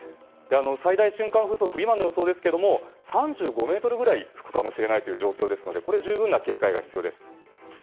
最大瞬間風速は今の予想ですが３５メートルぐらい吹くかもしれないという状況ですので十分な警戒が必要です。